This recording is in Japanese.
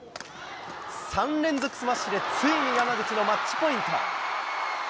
３連続スマッシュでついに山口のマッチポイント。